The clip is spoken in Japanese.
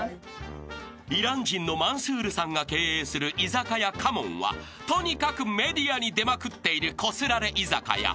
［イラン人のマンスールさんが経営する居酒屋花門はとにかくメディアに出まくっているこすられ居酒屋］